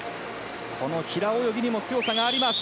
平泳ぎにも強さがあります。